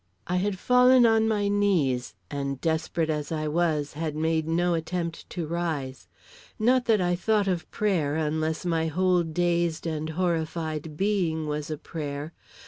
I had fallen on my knees, and desperate as I was, had made no attempt to rise. Not that I thought of prayer, unless my whole dazed and horrified being was a prayer.